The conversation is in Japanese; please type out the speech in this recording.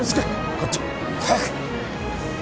こっち早く。